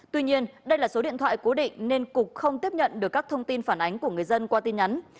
tuy nhiên đây là số điện thoại cố định nên cục không tiếp nhận được các thông tin phản ánh của người dân qua tin nhắn